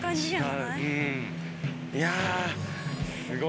いやすごい。